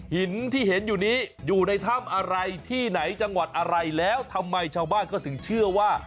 หินที่เห็นอยู่นี้อยู่ในถ้ำอะไรที่ไหนจังหวัดอะไรแล้วทำไมชาวบ้านก็ถึงเชื่อว่า